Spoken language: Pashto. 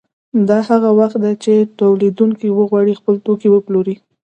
دا هغه وخت دی چې تولیدونکي وغواړي خپل توکي وپلوري